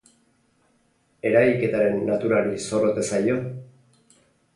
Eragiketaren naturari zor ote zaio?